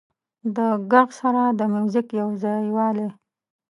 د غږ سره د موزیک یو ځایوالی